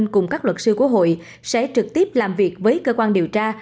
cùng các luật sư của hội sẽ trực tiếp làm việc với cơ quan điều tra